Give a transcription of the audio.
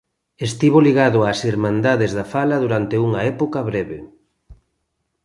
Estivo ligado ás Irmandades da Fala durante unha época breve.